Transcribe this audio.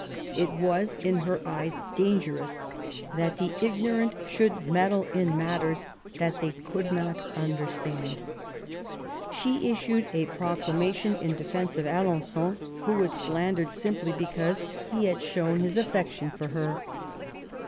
It was in her eyes dangerous that the ignorant should meddle in matters that they could not understand. She issued a proclamation in defence of Alen9on, who was slandered simply because he had shown his affection for her.